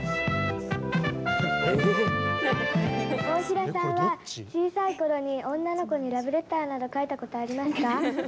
大平さんは、小さいころに女の子にラブレターなど書いたことはありますか？